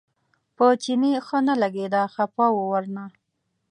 په چیني ښه نه لګېده خپه و ورنه.